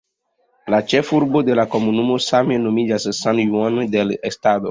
La ĉefurbo de la komunumo same nomiĝas "San Juan del Estado".